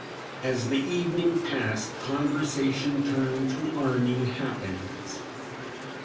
As the evening passed, conversation turned to army happenings.